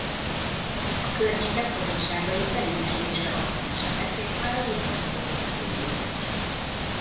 A környéket adottságai benépesülésre alkalmassá tették már a jégkorszakot követő időkben is.